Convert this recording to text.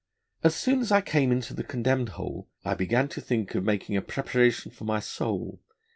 'as soon as I came into the Condemned Hole, I began to think of making a preparation for my soul.